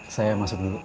saya masuk dulu